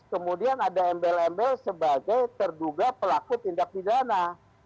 kemudian ada embel embel sebagai terduga pelaku tindak pidana